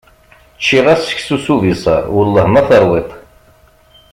Ččiɣ-as seksu s ubisaṛ, Wellah ma teṛwiḍ-t.